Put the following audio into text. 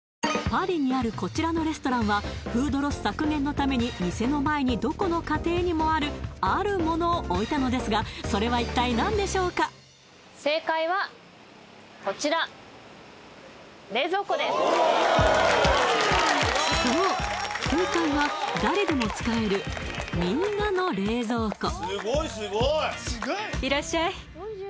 パリにあるこちらのレストランはフードロス削減のために店の前にどこの家庭にもあるあるものを置いたのですがそれは一体何でしょうかそう正解は誰でも使える「みんなの冷蔵庫」